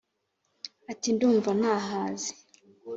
ati: ndumva nahaze